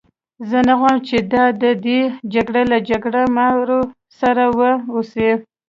زه نه غواړم چې دا د دې جګړې له جګړه مارو سره وه اوسي.